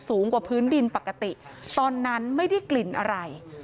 สูงกว่าพื้นดินปกติตอนนั้นไม่ได้กลิ่นอะไร